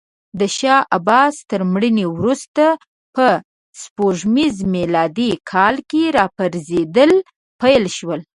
د شاه عباس تر مړینې وروسته په سپوږمیز میلادي کال کې راپرزېدل پیل شول.